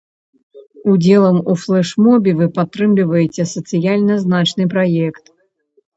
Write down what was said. Удзелам у флэшмобе вы падтрымліваеце сацыяльна значны праект.